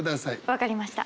分かりました。